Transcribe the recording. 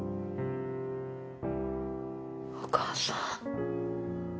お義母さん。